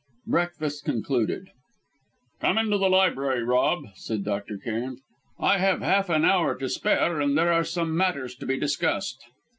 Breakfast concluded: "Come into the library, Rob," said Dr. Cairn, "I have half an hour to spare, and there are some matters to be discussed."